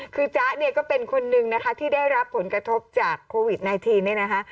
คือจ๊ะเนี่ยก็เป็นคนนึงนะคะที่ได้รับผลกระทบจากโควิด๑๙เนี่ยนะคะ